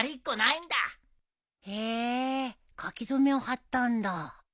へえ書き初めを貼ったんだ。